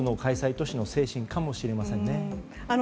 都市の精神かもしれませんね。